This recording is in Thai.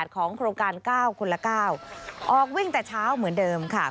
ของยิ่งขยะเดิมข่าวค่ะ